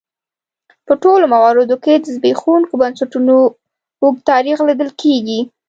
په ټولو مواردو کې د زبېښونکو بنسټونو اوږد تاریخ لیدل کېږي.